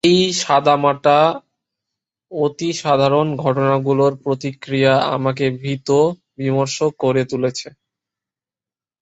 এই সাদামাটা অতি সাধারণ ঘটনাগুলোর প্রতিক্রিয়া আমাকে ভীত, বিমর্ষ করে তুলেছে।